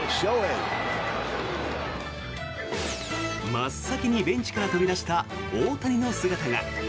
真っ先にベンチから飛び出した大谷の姿が。